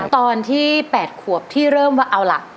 ตอนที่๘ขวบที่เริ่มว่าเอาล่ะ